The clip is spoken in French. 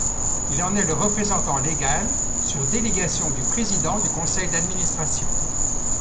Il en est le représentant légal sur délégation du Président du Conseil d’administration.